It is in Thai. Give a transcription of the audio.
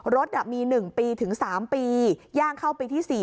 รถอ่ะมีหนึ่งปีถึงสามปีย่างเข้าปีที่สี่